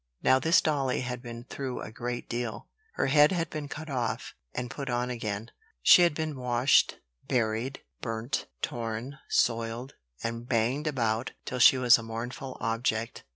Now this dolly had been through a great deal. Her head had been cut off (and put on again); she had been washed, buried, burnt, torn, soiled, and banged about till she was a mournful object.